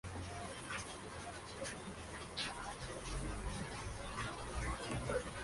Posteriormente alcanzó gran expansión el cultivo de la vid.